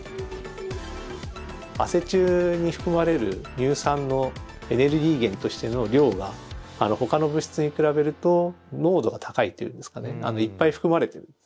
汗中に含まれる乳酸のエネルギー源としての量がほかの物質に比べると濃度が高いっていうんですかねいっぱい含まれている。